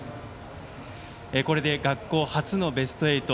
これで学校初のベスト８。